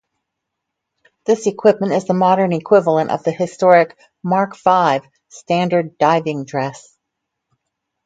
This equipment is the modern equivalent of the historic Mark Five "Standard Diving Dress".